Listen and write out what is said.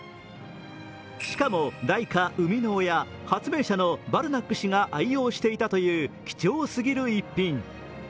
しかもライカ生みの親、発明者のバルナック氏が愛用していたという貴重すぎる一品。